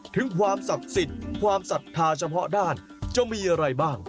ถึงความศักดิ์สิทธิ์ความศรัทธาเฉพาะด้านจะมีอะไรบ้าง